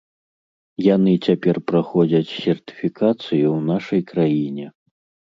Яны цяпер праходзяць сертыфікацыю ў нашай краіне.